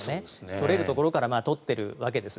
取れるところから取ってるわけです